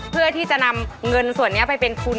เพื่อที่จะนำเงินส่วนนี้ไปเป็นทุน